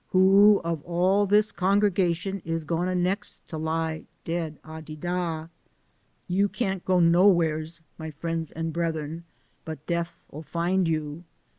Who ob all dis congregation is gwine next to lie ded a de dah ? You can't go nowheres, my frien's and bredren, but Deff '11 fin' you.